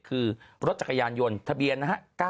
คือรถจักรยานยนต์ทะเบียนนะฮะ